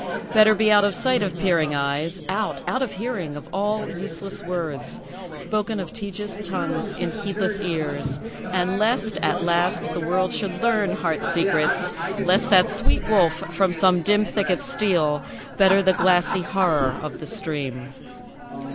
Better be out of sight of peering eyes; Out out of hearing of all useless words, Spoken of tedious tongues in heedless ears. And lest, at last, the world should learn heart secrets; Lest that sweet wolf from some dim thicket steal; Better the glassy horror of the stream.